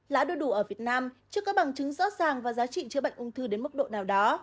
lá đu đủ ở việt nam chưa có bằng chứng rõ ràng và giá trị chữa bệnh ung thư đến mức độ nào đó